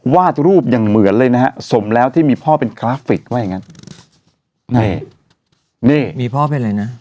วาดรูปอย่างเหมือนเลยนะฮะสมแล้วที่มีพ่อเป็นกราฟิกว่าอย่างงั้นนี่นี่มีพ่อเป็นอะไรนะ